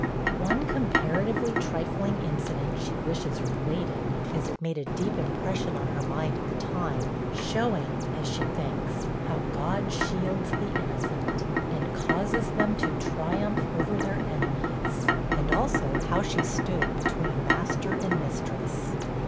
One comparatively trifling incident she wishes related, as it made a deep impression on her mind at the time showing, as she thinks, how God shields the innocent, and causes them to triumph over their enemies, and also how she stood between master and mistress.